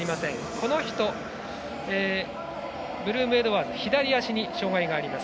この人、ブルームエドワーズ左足に障がいがあります。